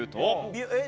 えっ？